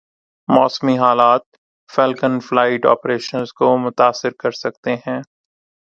موسمی حالات Falcon flight operations کو متاثر کر سکتے ہیں۔